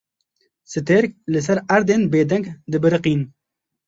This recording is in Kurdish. Stêrk li ser erdên bêdeng dibiriqîn.